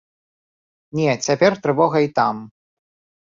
Не, цяпер трывога і там.